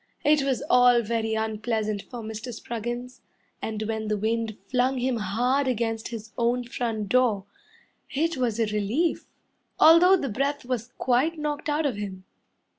It was all very unpleasant for Mr. Spruggins, And when the wind flung him hard against his own front door It was a relief, Although the breath was quite knocked out of him.